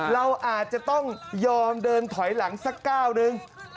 เราอาจจะต้องยอมเดินถอยหลังสักก้าวนึง